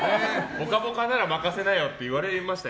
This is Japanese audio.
「ぽかぽか」なら任せなよって言われました？